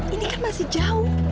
ini kan masih jauh